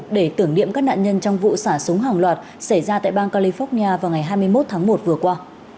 để tưởng niệm các nạn nhân trong vụ xả súng hàng loạt xảy ra tại bang california vào ngày hai mươi một tháng một vừa qua